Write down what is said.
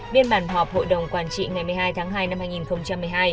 biên bản họp hội đồng quản trị ngày một mươi hai tháng hai năm hai nghìn một mươi hai